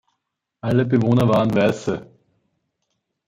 Alle Bewohner waren Weiße.